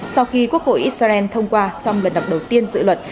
sau khi quốc hội israel thông qua trong lần đầu tiên dự luận